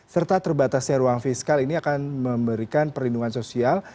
serta terbatasnya ruang fiskal ini akan memberikan perlindungan sosial